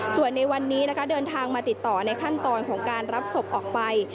ส่วนในวันนี้นะคะเดินทางมาติดต่อในขั้นตอนของการรับศพออกไป